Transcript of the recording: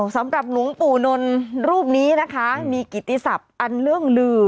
สำหรับวงปู่นนท์รูปนี้นะคะมีกิจสรรพอันตราหรือ